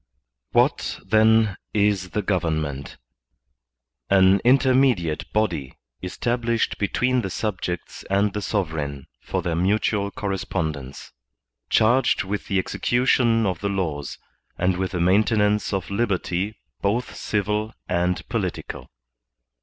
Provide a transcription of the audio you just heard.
* What, then, is the government ? An intermediate body established between the subjects and the sovereign for their mutual correspondence, charged with the execution of the laws and with the maintenance of liberty both civil and political.